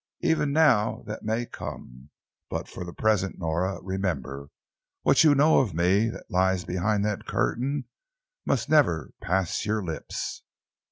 Even now that may come, but for the present, Nora, remember. What you know of me that lies behind that curtain, must never pass your lips."